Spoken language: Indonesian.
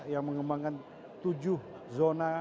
yang mengembangkan tujuh zona